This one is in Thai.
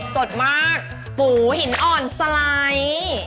สดมากปูหินอ่อนสไลด์